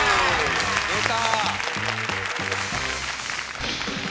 出た！